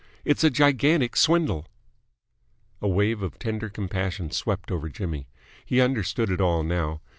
It's a gigantic swindle." A wave of tender compassion swept over Jimmy. He understood it all now.